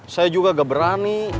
saya juga nggak berani